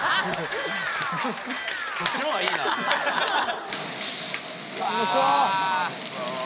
そっちのほうがいいな俺。